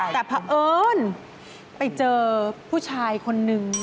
แต่เพราะเอิญไปเจอผู้ชายคนนึง